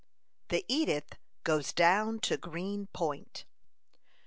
THE EDITH GOES DOWN TO GREEN POINT.